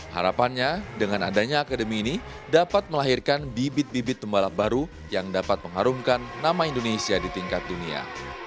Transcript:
harapannya dengan adanya akademi ini dapat melahirkan bibit bibit pembalap baru yang dapat mengharumkan nama indonesia di tingkat dunia